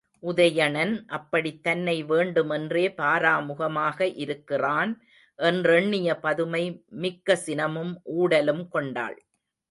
உதயணன் அப்படித் தன்னை வேண்டுமென்றே பாராமுகமாக இருக்கிறான் என்றெண்ணிய பதுமை மிக்க சினமும் ஊடலும் கொண்டாள்.